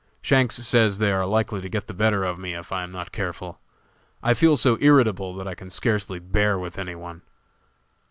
Shanks says they are likely to get the better of me if I am not careful. I feel so irritable that I can scarcely bear with any one."